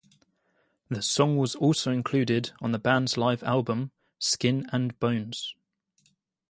The song was also included on the band's live album "Skin and Bones".